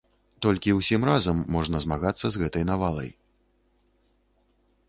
Толькі ўсім разам можна змагацца з гэтай навалай.